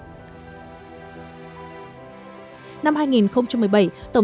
nếu các chính phủ triển khai những chiến lược ai không minh bạch và bất thường